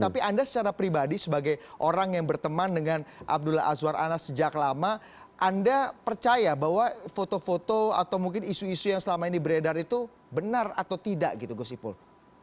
tapi anda secara pribadi sebagai orang yang berteman dengan abdullah azwar anas sejak lama anda percaya bahwa foto foto atau mungkin isu isu yang selama ini beredar itu benar atau tidak gitu gus ipul